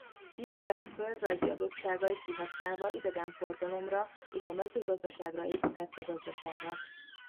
Kirchberg földrajzi adottságait kihasználva idegenforgalomra és a mezőgazdaságra építette gazdaságát.